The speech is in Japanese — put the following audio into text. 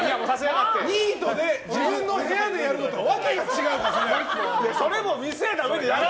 ニートで自分の部屋でやるのとはわけが違うですから。